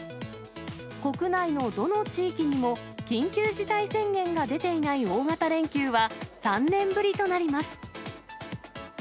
国内のどの地域にも緊急事態宣言が出ていない大型連休は、３年ぶりとなります。